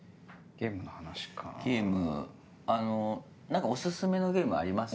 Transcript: ゲームあの何かお薦めのゲームあります？